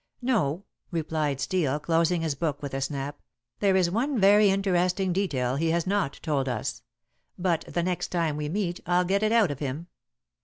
"No," replied Steel, closing his book with a snap, "there is one very interesting detail he has not told us. But the next time we meet I'll get it out of him.